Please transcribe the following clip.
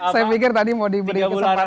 saya pikir tadi mau diberi kesempatan yang lain